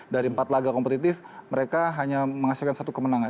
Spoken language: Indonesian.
dari empat laga kompetitif mereka hanya menghasilkan satu kemenangan